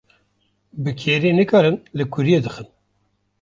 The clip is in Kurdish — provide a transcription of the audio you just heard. Bi kerê nikarin li kuriyê dixin